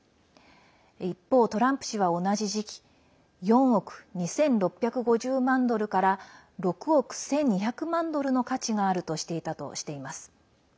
一方、トランプ氏は同じ時期４億２６５０万ドルから６億１２００万ドルの価値があるとしていたとしています。